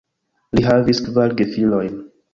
Li havis kvar gefilojn.